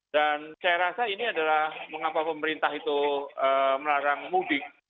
dan saya rasa ini adalah mengapa pemerintah itu melarang mudik